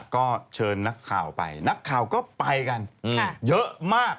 ก็เชิญนักข่าวไปนักข่าวก็ไปกันเยอะมาก